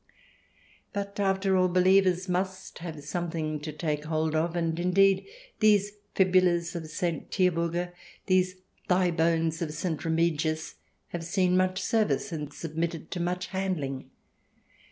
But after all, believers must have something to take hold of, and, indeed, these fibulas of St. Tiburga, these thigh bones of St. Remigius, have seen much service and submitted to much handling.